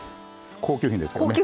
高級品ですからね。